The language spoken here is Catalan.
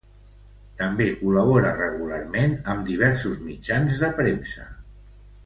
També col·labora regularment amb diversos mitjans de premsa.